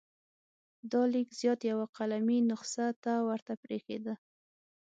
دا لیک زیات یوه قلمي نسخه ته ورته بریښېده.